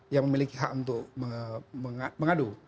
yang memiliki hak untuk mengadu